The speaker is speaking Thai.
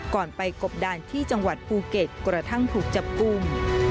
ก่อนไปกบดานที่จังหวัดภูเก็ตกระทั่งถูกจับกลุ่ม